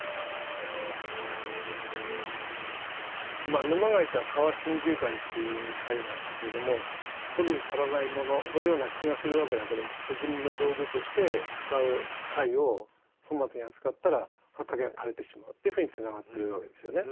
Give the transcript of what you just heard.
まあ沼貝というのは川真珠貝という貝なんだけれども取るに足らないもののような気がするわけだけど穂摘みの道具として使う貝を粗末に扱ったら畑が枯れてしまうというふうにつながってるわけですよね。